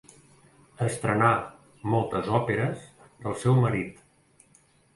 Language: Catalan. Estrenà moltes òperes del seu marit.